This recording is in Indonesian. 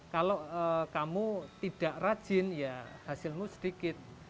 kalau kamu tidak rajin ya hasilmu sedikit